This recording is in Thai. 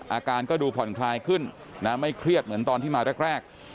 อาการก็ดูผ่อนคลายขึ้นนะไม่เครียดเหมือนตอนที่มาแรก